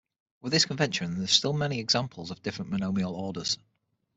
With this convention there are still many examples of different monomial orders.